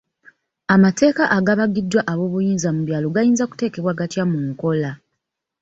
Amateeka agabagiddwa ab'obuyinza mu byalo gayinza kuteekebwa gatya mu nkola?